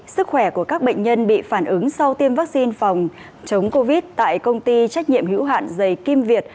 sức khỏe của các bệnh nhân bị phản ứng sau tiêm vaccine phòng chống covid tại công ty trách nhiệm hữu hạn dày kim việt